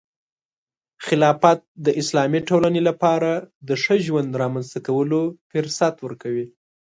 خلافت د اسلامي ټولنې لپاره د ښه ژوند رامنځته کولو فرصت ورکوي.